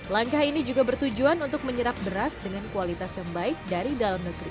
langkah ini juga bertujuan untuk menyerap beras dengan kualitas yang baik dari dalam negeri